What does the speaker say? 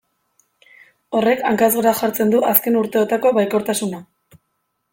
Horrek hankaz gora jartzen du azken urteotako baikortasuna.